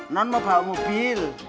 nuan mau bawa mobil